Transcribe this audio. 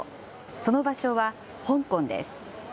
その場所は香港です。